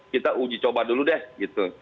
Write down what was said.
kita uji coba dulu deh gitu